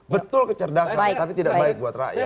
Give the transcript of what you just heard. betul kecerdasannya tapi tidak baik buat rakyat